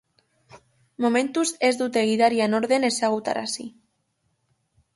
Momentuz ez dute gidaria nor den ezagutarazi.